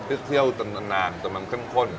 เที่ยวนานแต่มันเข้มข้น